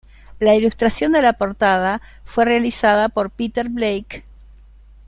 La ilustración de la portada fue realizada por Peter Blake.